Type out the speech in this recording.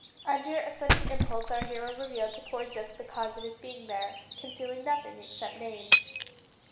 Under a sudden impulse our hero revealed to poor Zook the cause of his being there concealing nothing except names.